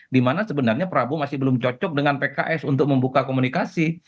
dimana sebenarnya prabowo masih belum cocok dengan pks untuk membuka komunikasi